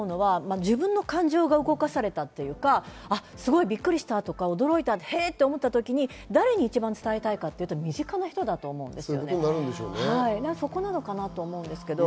なるほどと思うのは自分の感情が動かされたっていうか、びっくりしたとかヘっと思った時に誰に一番伝えたいかっていうと身近な人だと思うんです。